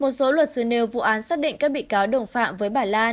một số luật sư nêu vụ án xác định các bị cáo đồng phạm với bà lan